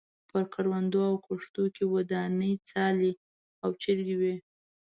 په کروندو او کښتو کې ودانې څالې او چرګۍ وې.